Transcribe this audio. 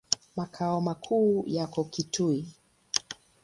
Makao makuu yako Kitui.